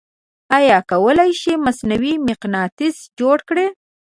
آیا کولی شئ مصنوعې مقناطیس جوړ کړئ؟